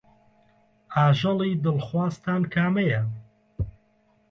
ئاژەڵی دڵخوازتان کامەیە؟